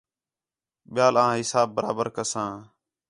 ٻِیال آں حِساب برابر کساں